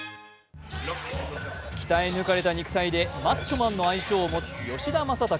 鍛え抜かれた肉体でマッチョマンの愛称を持つ吉田正尚。